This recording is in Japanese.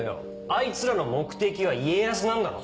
あいつらの目的は家康なんだろ？